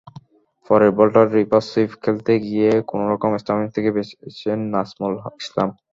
পরের বলটা reverse sweep খেলতে গিয়ে কোনোরকমে স্টাম্পিং থেকে বেঁচেছেন নাজমুল ইসলাম।